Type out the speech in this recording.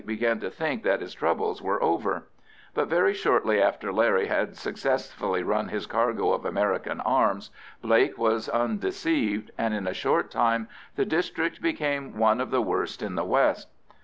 began to think that his troubles were over; but very shortly after Larry had successfully run his cargo of American arms Blake was undeceived, and in a short time the district became one of the worst in the west.